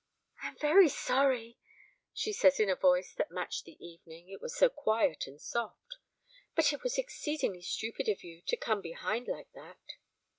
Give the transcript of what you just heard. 'I am very sorry!' she says in a voice that matched the evening, it was so quiet and soft; 'but it was exceedingly stupid of you to come behind like that.'